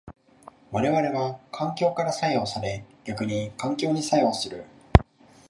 我々は環境から作用され逆に環境に作用する。